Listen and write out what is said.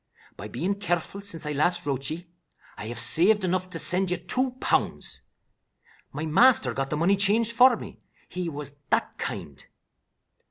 By bein' careful since I last wrote ye, I have saved enough to send you two pounds. My master got the money changed for me, he was that kind.